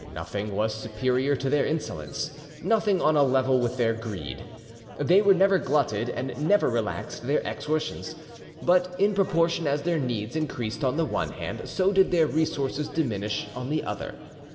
Nothing was superior to their insolence, nothing on a level with their greed. They were never glutted, and never relaxed their extortions. But in proportion as their needs increased on the one hand, so did their resources diminish on the other.